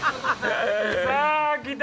さぁ来た！